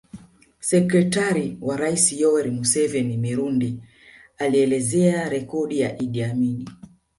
Sekretari wa rais Yoweri Museveni Mirundi alielezea rekodi ya Idi Amin